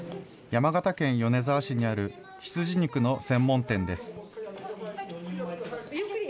山形県米沢市にある羊肉の専門店です。